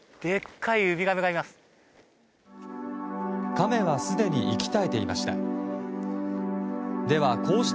カメはすでに息絶えていました。